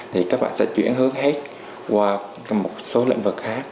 thì các bạn sẽ chuyển hướng hết qua một số lĩnh vực khác